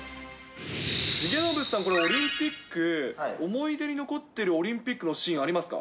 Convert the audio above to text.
重信さん、オリンピック、思い出に残っているオリンピックのシーン、ありますか？